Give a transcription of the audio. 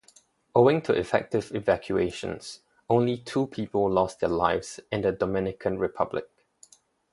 Owing to effective evacuations, only two people lost their lives in the Dominican Republic.